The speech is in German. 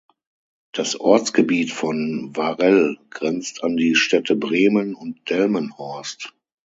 Das Ortsgebiet von Varrel grenzt an die Städte Bremen und Delmenhorst.